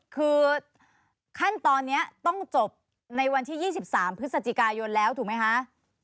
คือขั้นตอนนี้ต้องจบในวันที่๒๓พฤศจิกายนแล้วถูกไหมคะ